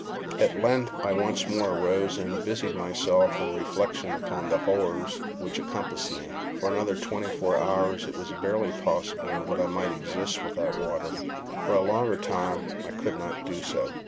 At length I once more arose, and busied myself in reflection upon the horrors which encompassed me. For another twenty four hours it was barely possible that I might exist without water—for a longer time I could not do so.